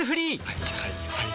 はいはいはいはい。